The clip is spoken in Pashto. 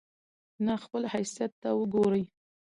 نه خپل حيثت ته وګوري